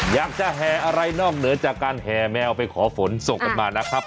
อยากจะแห่อะไรนอกเหนือจากการแห่แมวไปขอฝนส่งกันมานะครับ